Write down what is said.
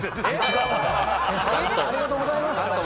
ありがとうございます。